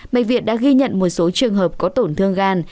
bệnh viện đã ghi nhận một số trường hợp có tổn thương gan